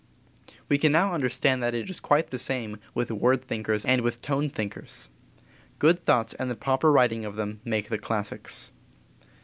" We can now understand that it is quite the same with word thinkers and with tone thinkers. Good thoughts and the proper writing of them make the classics.